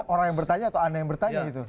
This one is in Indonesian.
orang yang bertanya atau anda yang bertanya gitu